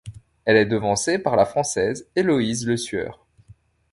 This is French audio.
Elle est devancée par la Française Éloyse Lesueur.